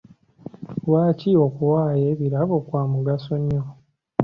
Lwaki okuwaayo ebirabo kwa mugaso nnyo ?